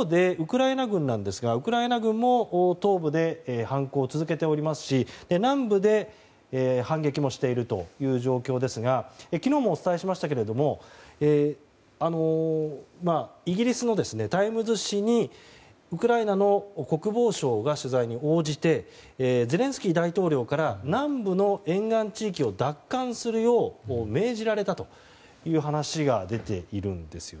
一方で、ウクライナ軍も東部で反攻を続けておりますし南部で反撃もしているという状況ですが昨日もお伝えしましたがイギリスのタイムズ紙にウクライナの国防相が取材に応じてゼレンスキー大統領から南部の沿岸地域を奪還するよう命じられたという話が出ているんです。